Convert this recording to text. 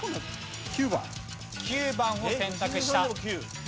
９番を選択した。